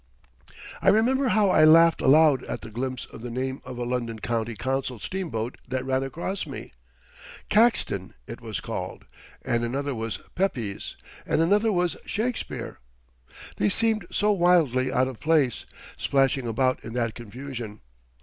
I remember how I laughed aloud at the glimpse of the name of a London County Council steamboat that ran across me. Caxton it was called, and another was Pepys, and another was Shakespeare. They seemed so wildly out of place, splashing about in that confusion.